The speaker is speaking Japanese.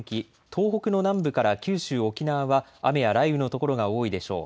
東北の南部から九州、沖縄は雨や雷雨の所が多いでしょう。